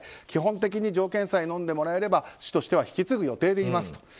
基本的に条件さえのんでもらえれば市としては引き継ぐ予定でいます。